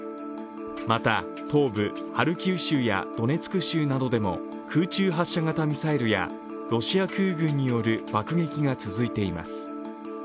また、東部ハルキウ州やドネツク州などでも空中発射型ミサイルやロシア空軍による爆撃が続いています。